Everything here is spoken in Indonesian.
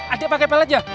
adik pakai pelet ya